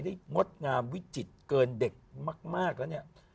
ได้งดงามวิจิตรเกินเด็กมากแล้ว